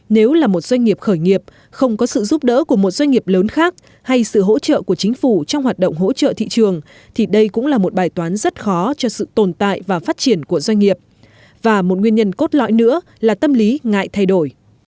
nếu là một doanh nghiệp khởi nghiệp không có sự giúp đỡ của một doanh nghiệp lớn khác hay sự hỗ trợ của chính phủ trong hoạt động hỗ trợ thị trường thì đây cũng là một bài toán rất khó cho sự tồn tại và phát triển của doanh nghiệp và một nguyên nhân cốt lõi nữa là tâm lý ngại thay đổi